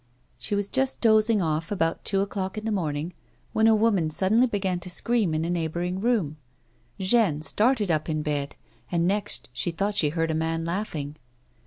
She was just dozing off, about two o'clock in the morning, when a woman suddenly began to scream in a neighbouring room. Jeanne started iip in bed, and next she thought she heard a man laughing.